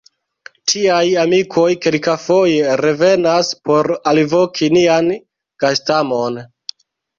Tiaj „amikoj“ kelkafoje revenas por alvoki nian gastamon.